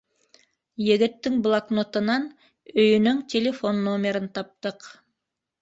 Егеттең блокнотынан өйөнөң телефон номерын таптыҡ.